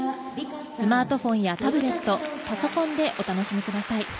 スマートフォンやタブレットパソコンでお楽しみください。